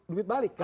duit balik kan